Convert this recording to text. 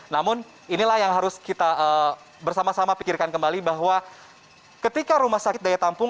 namun inilah yang harus kita bersama sama pikirkan kembali bahwa ketika rumah sakit daya tampung